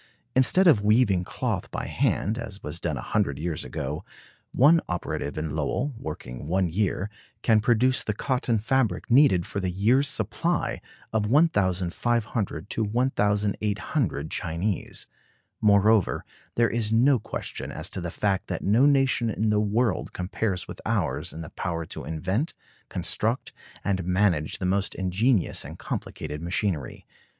Instead of weaving cloth by hand, as was done a hundred years ago, "one operative in Lowell, working one year, can produce the cotton fabric needed for the year's supply of 1,500 to 1,800 Chinese." Moreover, there is no question as to the fact that no nation in the world compares with ours in the power to invent, construct, and manage the most ingenious and complicated machinery.